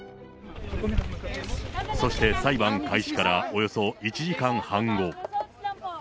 そして裁判開始からおよそ１時間半後。